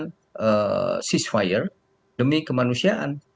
sebagai negara yang bisa melakukan penyerangan dan menyerang kemanusiaan